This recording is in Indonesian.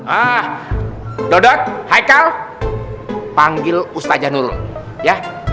ah dodot haikal panggil ustaja nurul ya